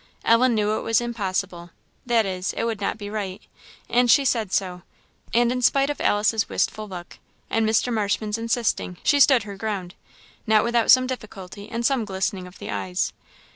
Ellen knew it was impossible that is, that it would not be right, and she said so; and in spite of Alice's wistful look, and Mr. Marshman's insisting, she stood her ground. Not without some difficulty, and some glistening of the eyes.